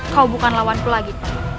kau bukan lawanku lagi